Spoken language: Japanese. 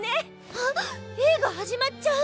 あっ映画始まっちゃう！